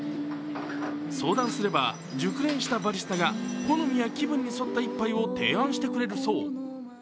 相談すれば熟練したバリスタが好みや気分に沿った一杯を提案してくれるそう。